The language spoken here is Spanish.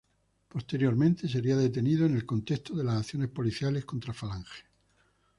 Posteriormente sería detenido, en el contexto de las acciones policiales contra Falange.